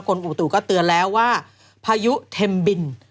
คนโดดตู่ก็เตือนแล้วว่าภายุเทมบิล